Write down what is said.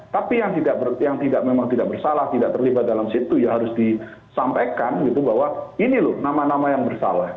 tapi yang memang tidak bersalah tidak terlibat dalam situ ya harus disampaikan gitu bahwa ini loh nama nama yang bersalah